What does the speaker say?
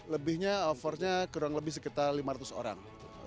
lebihnya offernya kurang lebih sekitar lima ratus orang